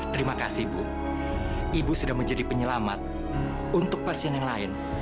terima kasih bu ibu sudah menjadi penyelamat untuk pasien yang lain